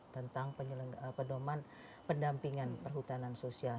tentang pendampingan perhutanan sosial